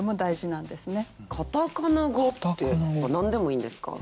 カタカナ語って何でもいいんですか？